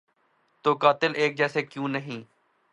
تو قاتل ایک جیسے کیوں نہیں؟